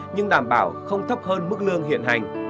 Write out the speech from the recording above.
nhưng đảm bảo không thấp hơn mức lương hiện hành